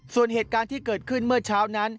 ส่วนเหตุการณ์ที่เกิดขึ้นเมื่อเช้านั้น